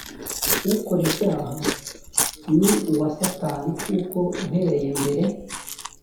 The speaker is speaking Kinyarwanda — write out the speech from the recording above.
ukora ibyaha ni uwa satani kuko uhereye mbere